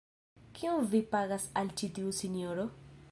Kiom vi pagas al ĉi tiu sinjoro?